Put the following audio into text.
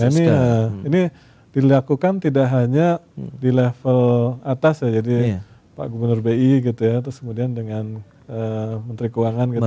nah ini dilakukan tidak hanya di level atas ya jadi pak gubernur bi gitu ya terus kemudian dengan menteri keuangan gitu